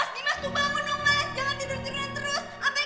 dimas tuh bangun dong mas jangan tidur tidur terus